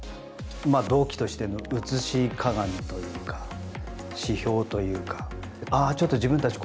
同期としての映し鏡というか指標というかああ、ちょっと自分たち